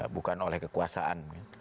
bukan oleh kekuasaan